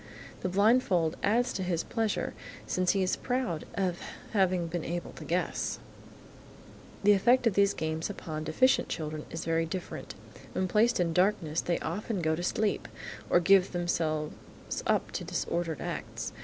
The blindfold adds to his pleasure, since he is proud of having been able to guess. The effect of these games upon deficient children is very different. When placed in darkness, they often go to sleep, or give themselves up to disordered acts.